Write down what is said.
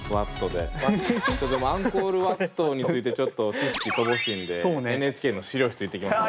でもアンコールワットについてちょっと知識乏しいんでＮＨＫの資料室行ってきます。